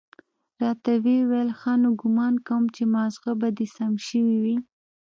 راته ويې ويل ښه نو ګومان کوم چې ماغزه به دې سم شوي وي.